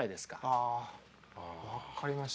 ああ分かりました。